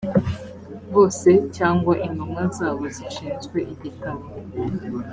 bose cyangwa intumwa zabo zishinzwe igitabo